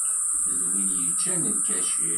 D win yeččan lkacir.